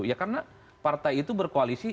ya karena partai itu berkoalisi